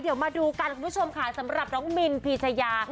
เดี๋ยวมาดูกันคุณผู้ชมค่ะสำหรับน้องมินพีชยา